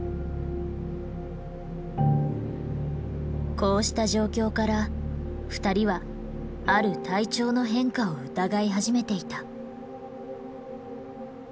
こうした状況から二人はある体調の変化を疑い始めていた。